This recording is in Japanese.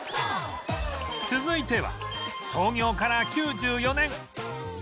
続いては創業から９４年